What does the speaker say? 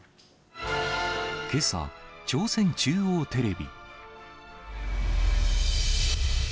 けさ、朝鮮中央テレビ。